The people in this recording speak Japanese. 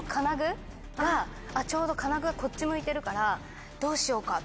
ちょうど金具がこっち向いてるからどうしようかって。